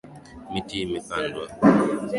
Miti imepandwa